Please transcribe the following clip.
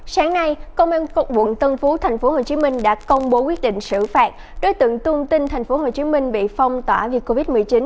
sáng nay công an quận tân phú tp hcm đã công bố quyết định xử phạt đối tượng tung tin tp hcm bị phong tỏa vì covid một mươi chín